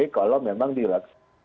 kalau memang di laksanakan